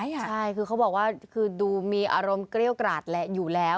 ใช่คือเขาบอกว่าคือดูมีอารมณ์เกรี้ยวกราดแหละอยู่แล้ว